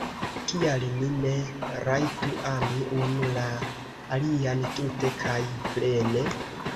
Kial ni ne rajtu ami unu la alian tute kaj plene?